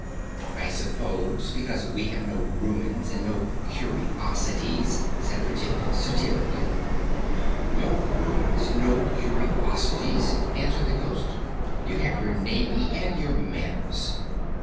"I suppose because we have no ruins and no curiosities," said Virginia, satirically. "No ruins! no curiosities!" answered the Ghost; "you have your navy and your manners."